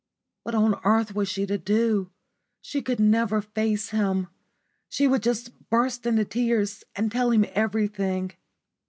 What on earth was she to do? She could never face him. She would just burst into tears and tell him everything.